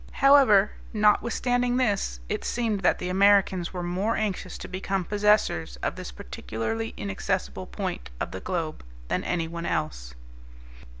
However, notwithstanding this, it seemed that the Americans were more anxious to become possessors of this particularly inaccessible point of the globe than anyone else.